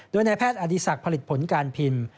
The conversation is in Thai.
โดยนายแพทย์อดีศักดิ์ผลิตผลการพิมพ์